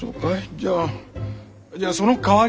じゃあじゃあそのかわりに。